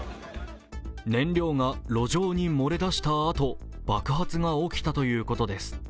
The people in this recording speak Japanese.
燃料が路上に漏れ出したあと、爆発が起きたということです。